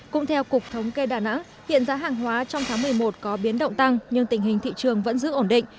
cũng theo cục thống kê đà nẵng hiện giá hàng hóa trong tháng một mươi một có biến động tăng nhưng tình hình thị trường vẫn giữ ổn định